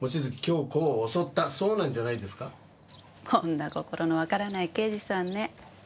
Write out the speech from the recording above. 女心のわからない刑事さんね。